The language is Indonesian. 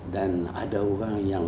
dan ada orang yang